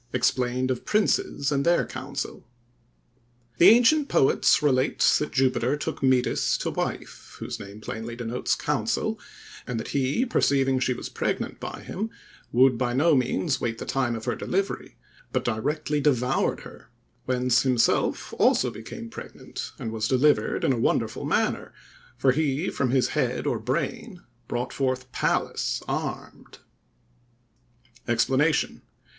EXPLAINED OF PRINCES AND THEIR COUNCIL. The ancient poets relate that Jupiter took Metis to wife, whose name plainly denotes counsel, and that he, perceiving she was pregnant by him, would by no means wait the time of her delivery, but directly devoured her; whence himself also became pregnant, and was delivered in a wonderful manner; for he from his head or brain brought forth Pallas armed. EXPLANATION.